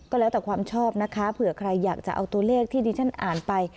ก็แล้วแต่ความชอบนะคะเผื่อใครอยากจะเอาตัวเลขที่ดิฉันอ่านไป